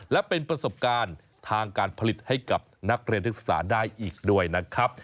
และเป็นประสบการณ์ทางการผลิตให้กับนักเรียนนักศึกษาได้อีกด้วยนะครับ